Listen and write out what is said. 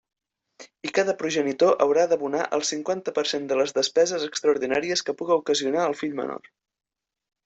I cada progenitor haurà d'abonar el cinquanta per cent de les despeses extraordinàries que puga ocasionar el fill menor.